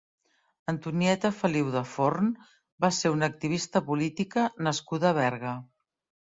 Antonieta Feliu de Forn va ser una activista política nascuda a Berga.